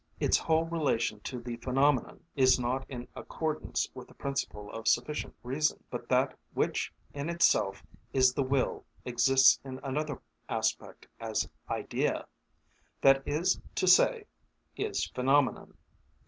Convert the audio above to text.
Its whole relation to the phenomenon is not in accordance with the principle of sufficient reason. But that which in itself is the will exists in another aspect as idea; that is to say, is phenomenon.